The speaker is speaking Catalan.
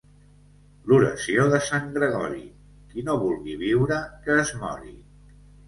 L'oració de Sant Gregori, qui no vulgui viure que es mori.